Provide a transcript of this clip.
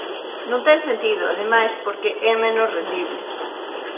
Non ten sentido, ademais, porque é menos rendible.